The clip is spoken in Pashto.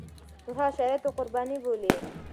نور هغه د شرايطو قرباني بولي.